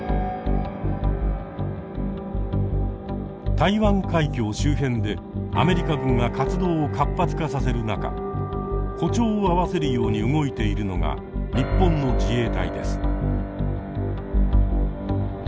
台湾海峡周辺でアメリカ軍が活動を活発化させる中歩調を合わせるように動いているのが日本の自衛隊です。